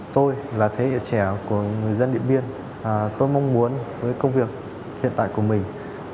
tôi là thế hệ trẻ của người dân điện biên tôi mong muốn với công việc hiện tại của mình